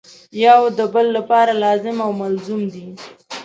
یو د بل لپاره لازم او ملزوم دي.